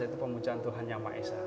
itu pemujaan tuhan yang maha esa